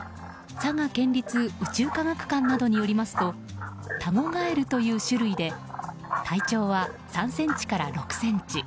佐賀県立宇宙科学館などによりますとタゴガエルという種類で体長は３ｃｍから６ｃｍ。